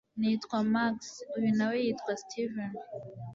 nitwa max uyu nawe yitwa steven